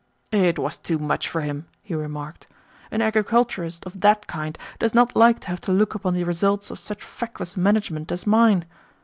"It was too much for him," he remarked. "An agriculturist of that kind does not like to have to look upon the results of such feckless management as mine.